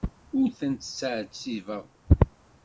Ur tent-ttɛettibeɣ.